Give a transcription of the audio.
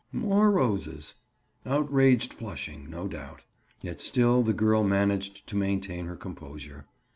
More roses! Outraged flushing, no doubt! Yet still the girl managed to maintain her composure.